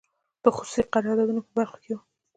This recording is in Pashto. د خصوصي قراردادونو په برخو کې وو.